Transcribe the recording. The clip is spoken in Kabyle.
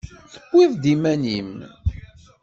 Tewwiḍ-d iman-im.